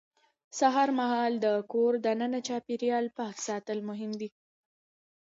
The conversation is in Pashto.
سهار مهال د کور دننه چاپېریال پاک ساتل مهم دي